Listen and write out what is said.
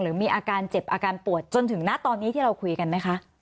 มีอาการเจ็บอาการปวดจนถึงณตอนนี้ที่เราคุยกันไหมคะ